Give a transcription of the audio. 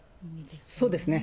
そうですね。